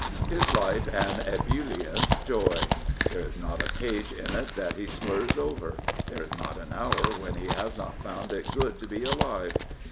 His life an ebullient joy. There is not a page in it that he slurs over. There is not an hour when he has not found it good to be alive.